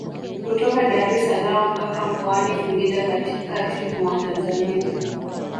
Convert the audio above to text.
Kutoka Daressalaam mpaka Mkoani Singida katikati mwa Tanzania